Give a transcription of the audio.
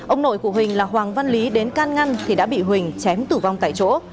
ông nội của huỳnh là hoàng văn lý đến can ngăn thì đã bị huỳnh chém tử vong tại chỗ